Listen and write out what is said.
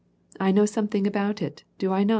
I know something about it, do I not